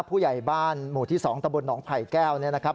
ผู้ใหญ่บ้านหมู่ที่๒ตะบลหนองไผ่แก้วเนี่ยนะครับ